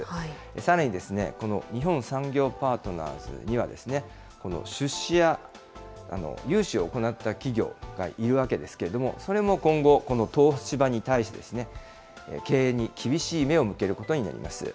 さらに、この日本産業パートナーズには、出資や融資を行った企業がいるわけですけれども、それも今後、この東芝に対して、経営に厳しい目を向けることになります。